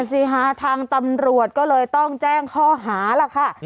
สิฮะทางตำรวจก็เลยต้องแจ้งข้อหาล่ะค่ะ